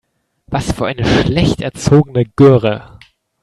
Was für eine schlecht erzogene Göre.